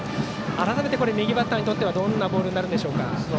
改めて右バッターにとってどんなボールになりますか。